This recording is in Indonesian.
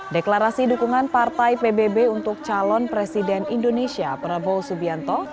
deklarasi dukungan partai pbb untuk calon presiden indonesia prabowo subianto